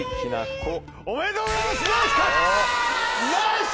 おめでとうございます！